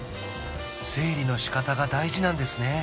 整理の仕方が大事なんですね